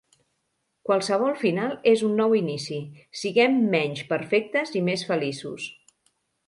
Qualsevol final és un nou inici. Siguem menys perfectes i més feliços.